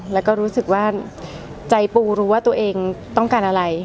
แล้วก็รู้สึกว่าใจปูรู้ว่าตัวเองต้องการอะไร